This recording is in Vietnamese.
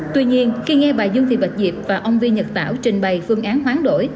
tuy nhiên khi nghe bà dương thị bạch diệp và ông vi nhật tảo trình bày phương án hoán đổi